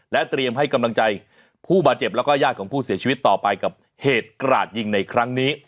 เตรียมให้กำลังใจผู้บาดเจ็บแล้วก็ญาติของผู้เสียชีวิตต่อไปกับเหตุกราดยิงในครั้งนี้